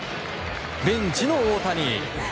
ベンチの大谷！